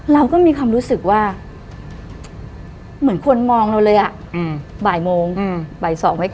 เราก็มีความรู้สึกว่าเหมือนคนมองเราเลยบ่ายโมงบ่าย๒